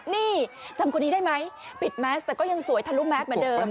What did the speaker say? นี่จำคนนี้ได้ไหมปิดแมสแต่ก็ยังสวยทะลุแมสเหมือนเดิม